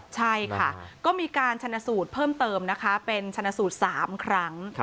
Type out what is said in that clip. ใช่ค่ะก็มีการชนะสูตรเพิ่มเติมนะคะเป็นชนะสูตร๓ครั้ง